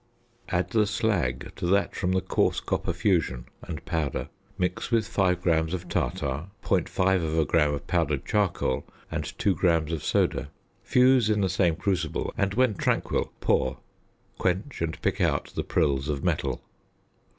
Add the slag to that from the coarse copper fusion, and powder. Mix with 5 grams of tartar, 0.5 gram of powdered charcoal, and 2 grams of soda. Fuse in the same crucible, and, when tranquil, pour; quench, and pick out the prills of metal.